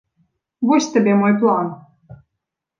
Вось табе мой план.